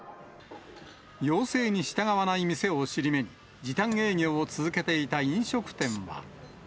要請に従わない店を尻目に、時短営業を続けていた飲食店は。